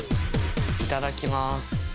いただきます。